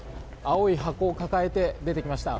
青い箱を抱えて出てきました。